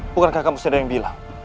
bukankah kamu sudah yang bilang